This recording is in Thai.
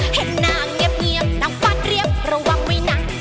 ให้นางเงียบเงียบนางฟาดเรียบระวังไว้นาง